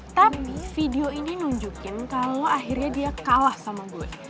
tapi video ini nunjukin kalau akhirnya dia kalah sama gue